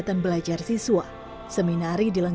tapi berfrekuse sebagai istrinya